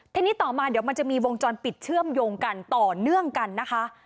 ทีนี้ต่อมาเดี๋ยวมันจะมีวงจรปิดเชื่อมโยงกันต่อเนื่องกันนะคะ